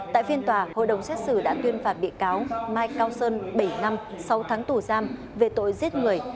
tại phiên tòa hội đồng xét xử đã tuyên phạt bị cáo mai cao sơn bảy năm sáu tháng tù giam về tội giết người